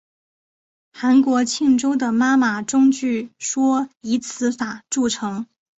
韩国庆州的妈妈钟据说以此法铸成。